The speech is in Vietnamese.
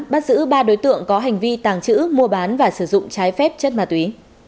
bắt giữ ba đối tượng có hành vi tàng trữ mua bán và sử dụng trái phép chất ma túy